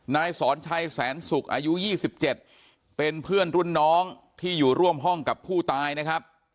นายสอนชัยแสนสุกอายุ๒๗เป็นเพื่อนรุ่นน้องที่อยู่ร่วมห้องกับผู้ตายนะครับ